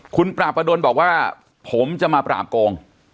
คุณปราบประดนบอกว่าผมจะมาปราบโกง